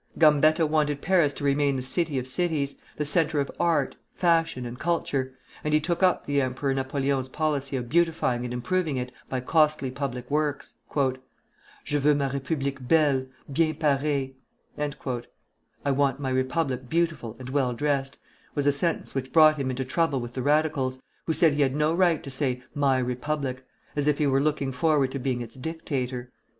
Gambetta wanted Paris to remain the city of cities, the centre of art, fashion, and culture; and he took up the Emperor Napoleon's policy of beautifying and improving it by costly public works. "Je veux ma république belle, bien parée" ("I want my republic beautiful and well dressed") was a sentence which brought him into trouble with the Radicals, who said he had no right to say "my republic," as if he were looking forward to being its dictator.